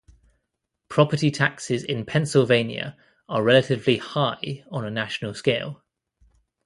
Property taxes in Pennsylvania are relatively high on a national scale.